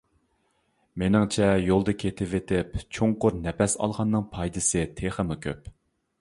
مېنىڭچە، يولدا كېتىۋېتىپ چوڭقۇر نەپەس ئالغاننىڭ پايدىسى تېخىمۇ كۆپ.